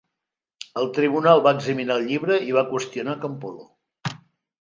El tribunal va examinar el llibre i va qüestionar Campolo.